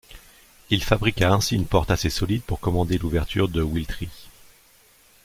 Il fabriqua ainsi une porte assez solide pour commander l’ouverture de Will-Tree.